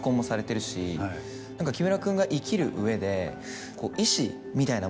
木村君が生きる上で。